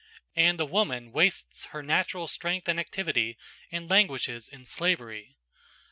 And the woman wastes her natural strength and activity and languishes in slavery.